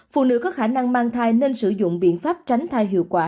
phụ nữ có khả năng mang thai nên sử dụng biện pháp tránh thai hiệu quả